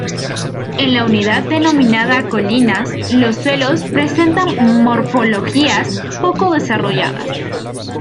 En la unidad denominada colinas, los suelos presentan morfologías poco desarrolladas.